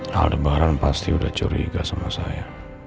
hal debaran pasti udah curiga sama saya